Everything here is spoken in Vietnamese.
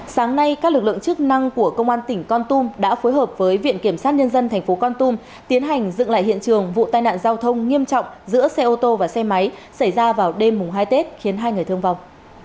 sáng nay các lực lượng chức năng của công an tỉnh con tum đã phối hợp với viện kiểm sát nhân dân tp con tum tiến hành dựng lại hiện trường vụ tai nạn giao thông nghiêm trọng giữa xe ô tô và xe máy xảy ra vào đêm hai tết khiến hai người thương vong